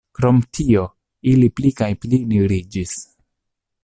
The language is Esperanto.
Krom tio, ili pli kaj pli nigriĝis.